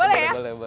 boleh boleh boleh